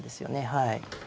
はい。